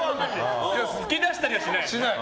吹き出したりはしない。